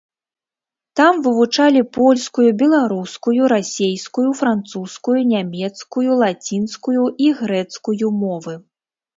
Там вывучалі польскую, беларускую, расейскую, французскую, нямецкую, лацінскую і грэцкую мовы.